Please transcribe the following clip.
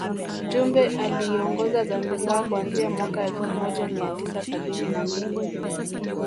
Jumbe aliiongoza Zanzibar kuanzia mwaka elfu moja mia tisa sabini na mbili